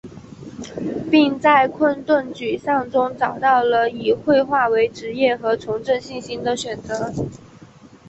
并在困顿沮丧中找到了以绘画为职业和重振信心的选择。